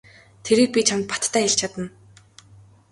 Тэрийг би чамд баттай хэлж чадна.